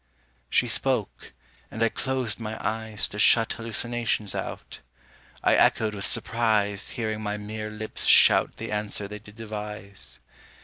She spoke, and I closed my eyes To shut hallucinations out. I echoed with surprise Hearing my mere lips shout The answer they did devise.